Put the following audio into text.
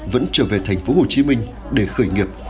vẫn trở về tp hcm để khởi nghiệp